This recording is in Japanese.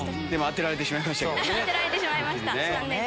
当てられてしまいました残念。